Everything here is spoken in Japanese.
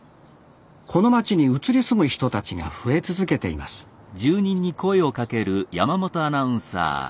この町に移り住む人たちが増え続けていますこんにちは。